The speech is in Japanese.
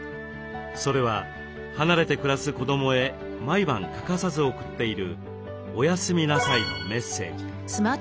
それは離れて暮らす子どもへ毎晩欠かさず送っている「おやすみなさい」のメッセージ。